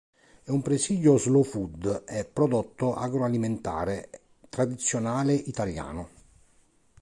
È un presidio Slow food e prodotto agroalimentare tradizionale italiano.